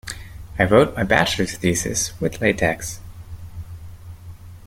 I wrote my bachelor thesis with latex.